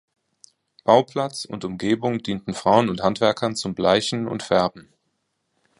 Bauplatz und Umgebung dienten Frauen und Handwerkern zum Bleichen und Färben.